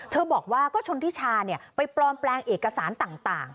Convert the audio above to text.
บอกว่าก็ชนทิชาไปปลอมแปลงเอกสารต่าง